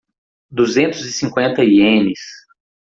Duzentos e cinquenta ienes